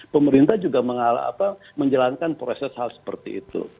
pemerintah juga mengalami apa menjalankan proses hal seperti itu